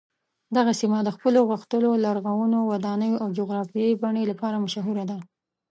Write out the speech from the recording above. دغه سیمه د خپلو غښتلو لرغونو ودانیو او جغرافیايي بڼې لپاره مشهوره ده.